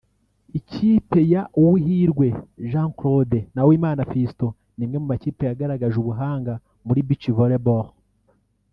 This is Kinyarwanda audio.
Ikipe ya Uwihirwe Jean Claude na Uwimana Fiston ni imwe mu makipe yagaragaje ubuhanga muri Beach-Volleyball